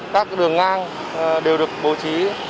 các đường ngang đều được bố trí